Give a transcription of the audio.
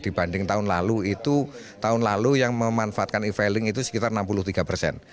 dibanding tahun lalu itu tahun lalu yang memanfaatkan e filing itu sekitar enam puluh tiga persen